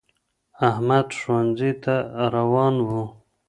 احمد ښونځی تا روان وو